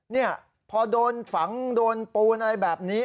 เนี่ยพอโดนฝังโดนปูนอะไรแบบนี้